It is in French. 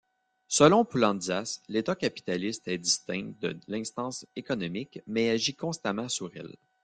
Selon Poulantzas, l'État capitaliste est distinct de l'instance économique mais agit constamment sur elle.